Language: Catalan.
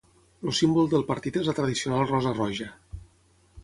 El símbol del partit és la tradicional rosa roja.